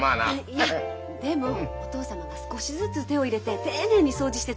いやでもお義父様が少しずつ手を入れて丁寧に掃除して使ってたでしょう。